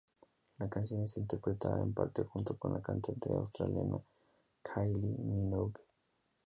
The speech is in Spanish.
La canción es interpretada en parte junto con la cantante australiana Kylie Minogue.